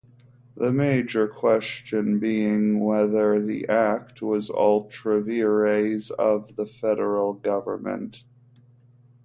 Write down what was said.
The major question being whether the Act was ultra vires of the federal government.